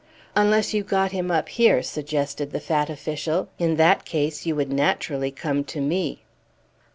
"Unless you got him up here," suggested the fat official. "In that case you would naturally come to me."